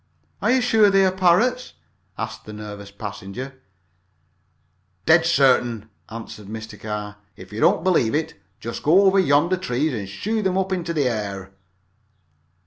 "Are you sure they are parrots?" asked the nervous passenger. "Dead certain," answered Mr. Carr. "If you don't believe it, just go over to yonder trees and shoo them up into the air."